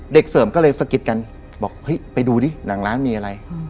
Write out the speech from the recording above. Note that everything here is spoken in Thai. เสริมก็เลยสะกิดกันบอกเฮ้ยไปดูดิหนังร้านมีอะไร